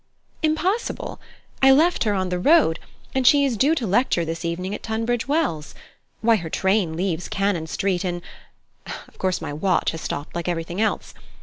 "Impossible! I left her on the road, and she is due to lecture this evening at Tunbridge Wells. Why, her train leaves Cannon Street in of course my watch has stopped like everything else.